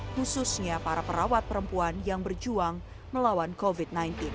khususnya para perawat perempuan yang berjuang melawan covid sembilan belas